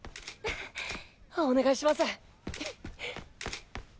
お願いします。